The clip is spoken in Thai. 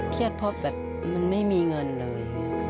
เพราะแบบมันไม่มีเงินเลย